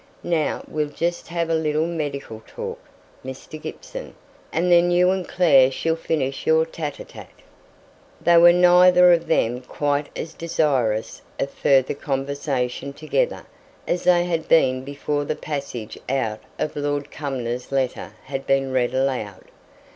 Now we'll just have a little medical talk, Mr. Gibson, and then you and Clare shall finish your tÉte ł tÉte." They were neither of them quite as desirous of further conversation together as they had been before the passage out of Lord Cumnor's letter had been read aloud.